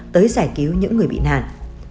tới giải cứu những người bị nạn